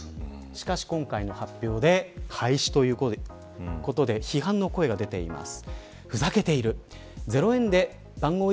しかし、今回の発表で廃止ということで批判の声が出ています。